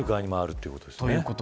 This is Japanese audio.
ということですね。